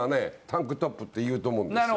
タンクトップって言うと思うんですよ。